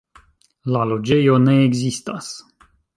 La loĝejo ne ekzistas.